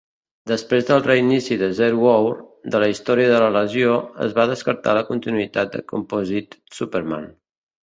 Després del reinici de "Zero Hour" de la història de la legió, es va descartar la continuïtat de Composite Superman.